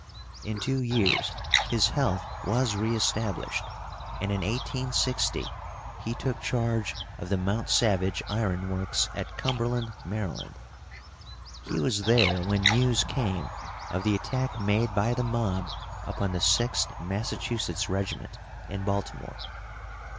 In two years his health was reestablished, and in 1860 he took charge of the Mount Savage Iron Works, at Cumberland, Maryland. He was there when news came of the attack made by the mob upon the 6th Massachusetts Regiment, in Baltimore.